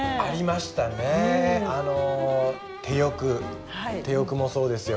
手浴もそうですよ。